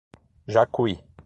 Jacuí